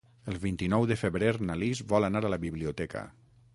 El vint-i-nou de febrer na Lis vol anar a la biblioteca.